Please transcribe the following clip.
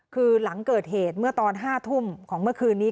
คือหลังเกิดเหตุเมื่อตอน๕ทุ่มของเมื่อคืนนี้